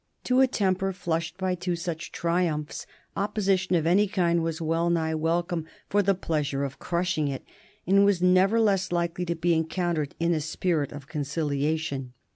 To a temper flushed by two such triumphs opposition of any kind was well nigh welcome for the pleasure of crushing it, and was never less likely to be encountered in a spirit of conciliation.